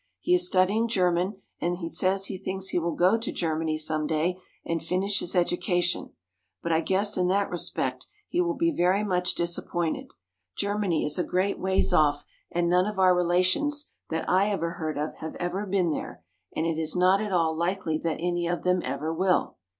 He is studying German and says he thinks he will go to Germany some day and finish his education, but I guess in that respect he will be very much disappointed. Germany is a great ways off and none of our relations that I ever heard of have ever been there and it is not at all likely that any of them ever will.